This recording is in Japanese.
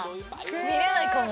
見れないかも。